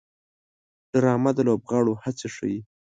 ډرامه د لوبغاړو هڅې ښيي